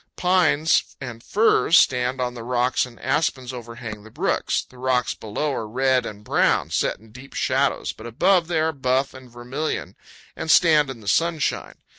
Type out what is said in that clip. Pines and firs stand on the rocks and aspens overhang the brooks. The rocks below are red and brown, set in deep shadows, but above they are buff and vermilion and stand in the sunshine.